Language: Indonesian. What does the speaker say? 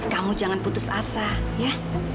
kamu jangan putus asa ya